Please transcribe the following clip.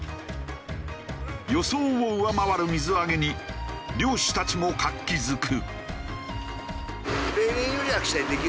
予想を上回る水揚げに漁師たちも活気づく。